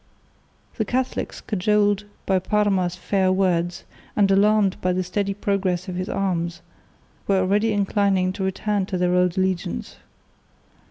The Catholics, cajoled by Parma's fair words, and alarmed by the steady progress of his arms, were already inclining to return to their old allegiance.